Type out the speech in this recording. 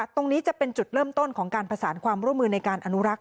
ตรงนี้จะเป็นจุดเริ่มต้นของการประสานความร่วมมือในการอนุรักษ์